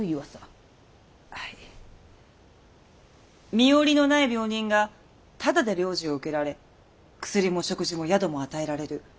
身寄りのない病人がタダで療治を受けられ薬も食事も宿も与えられる。